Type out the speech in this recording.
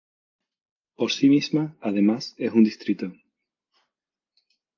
Por sí misma, además, es un distrito.